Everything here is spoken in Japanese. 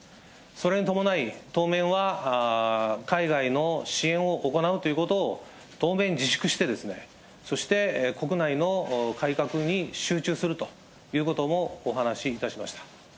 それに伴い、当面は海外の支援を行うということを当面自粛して、そして国内の改革に集中するということもお話いたしました。